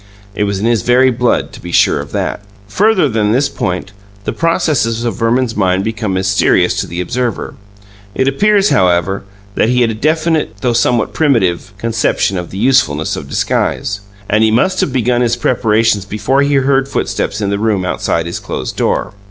It was in his very blood to be sure of that. Further than this point, the processes of Verman's mind become mysterious to the observer. It appears, however, that he had a definite (though somewhat primitive) conception of the usefulness of disguise; and he must have begun his preparations before he heard footsteps in the room outside his closed door.